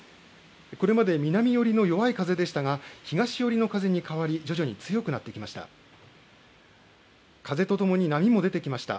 これまで南寄りの弱い風でしたが東寄りの風に変わり徐々に強くなってきました。